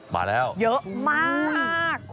มาแล้วเยอะมาก